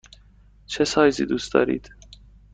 چه سایزی دوست دارید؟